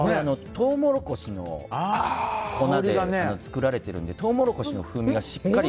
トウモロコシの粉で作られているのでトウモロコシの風味がしっかり。